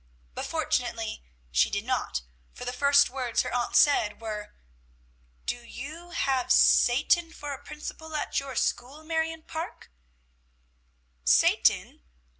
But fortunately she did not, for the first words her aunt said were, "Do you have Satan for a principal at your school, Marion Parke?" "Satan!